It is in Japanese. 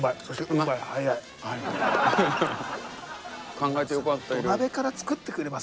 考えてよかったです。